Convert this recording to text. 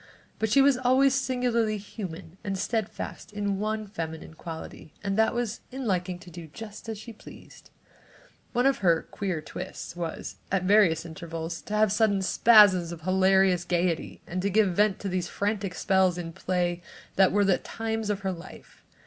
But she was always singularly human and steadfast in one feminine quality and that was in liking to do just as she pleased. One of her "queer twists" was, at various intervals, to have sudden spasms of hilarious gaiety and to give vent to these frantic spells in play that were the times of her life.